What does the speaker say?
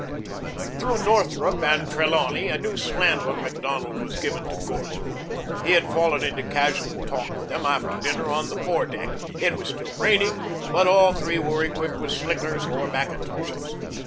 Through Northrup and Trelawney a new slant on Macdonald was given to Gordon. He had fallen into casual talk with them after dinner on the fore deck. It was still raining, but all three were equipped with slickers or mackintoshes.